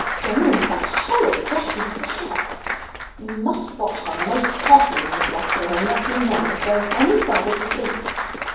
Going into that horrid, dirty little shop! You must watch her most carefully, Miss Weston, and let me know if there is any further deceit."